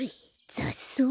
ざっそう？